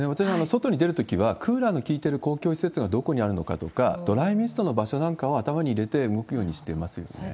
外に出るときは、クーラーの効いてる公共施設がどこにあるのかとか、ドライミストの場所なんかを頭に入れて動くようにしてますね。